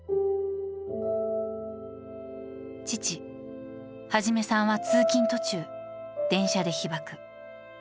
父・一さんは通勤途中、電車で被爆。